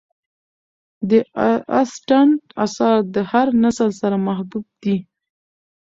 د اسټن آثار د هر نسل سره محبوب دي.